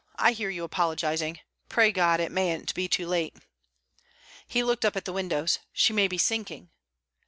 I hear you apologizing. Pray God, it mayn't be too late!' He looked up at the windows. 'She may be sinking!'